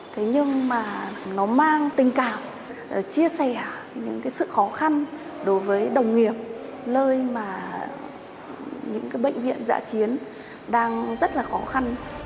thế nhưng mà nó mang tình cảm chia sẻ những sự khó khăn đối với đồng nghiệp nơi mà những bệnh viện dạ chiến đang rất là khó khăn